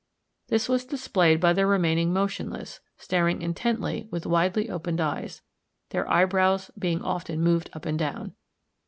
This was displayed by their remaining motionless, staring intently with widely opened eyes, their eyebrows being often moved up and down.